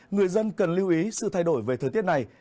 người dân cần lưu ý sự thay đổi về thời tiết này